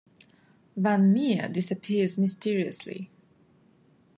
Van Meer disappears mysteriously.